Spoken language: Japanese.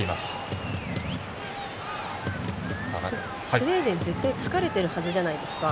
スウェーデン、絶対疲れてるはずじゃないですか。